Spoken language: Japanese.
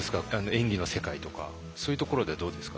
演技の世界とかそういうところではどうですか？